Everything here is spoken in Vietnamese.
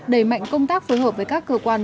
đẩy mạnh công tác phối hợp với các cơ quan